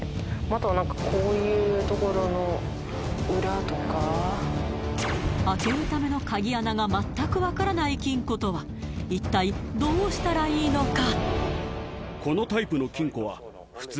あとはこういうところの裏とか開けるための鍵穴が全くわからない金庫とは一体どうしたらいいのか？